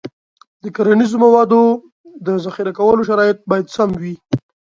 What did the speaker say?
د کرنیزو موادو د ذخیره کولو شرایط باید سم وي.